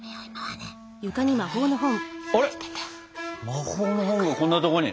魔法の本がこんなとこに。